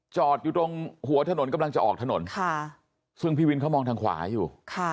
จอดอยู่ตรงหัวถนนกำลังจะออกถนนซึ่งพี่วินเขามองทางขวาอยู่